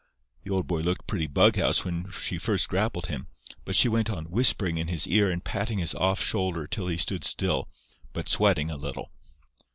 "The old boy looked pretty bughouse when she first grappled him, but she went on, whispering in his ear and patting his off shoulder till he stood still, but sweating a little.